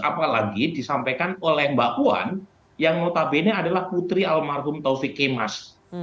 apalagi disampaikan oleh mbak puan yang notabene adalah putri almarhum taufik kemas